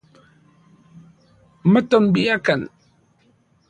Matonbiakan